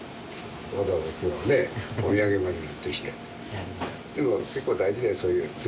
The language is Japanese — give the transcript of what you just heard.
わざわざこうやってお土産まで持ってきて。